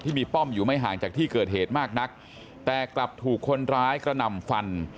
มีป้อมอยู่ไม่ห่างจากที่เกิดเหตุมากนักแต่กลับถูกคนร้ายกระหน่ำฟัน